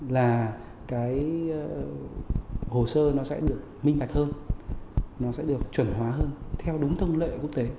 là cái hồ sơ nó sẽ được minh bạch hơn nó sẽ được chuẩn hóa hơn theo đúng thông lệ quốc tế